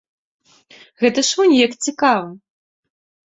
Гэта ж вунь як цікава!